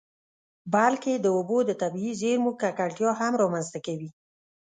بلکې د اوبو د طبیعي زیرمو ککړتیا هم رامنځته کوي.